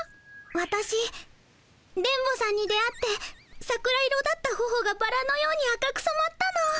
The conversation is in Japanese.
わたし電ボさんに出会って桜色だったほほがバラのように赤くそまったの。